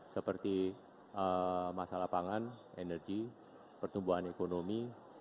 seperti masalah pangan energi pertumbuhan ekonomi